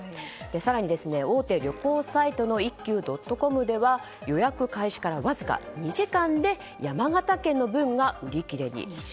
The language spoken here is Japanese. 更に、大手旅行サイトの一休．ｃｏｍでは予約開始からわずか２時間で山形県の分が売り切れに。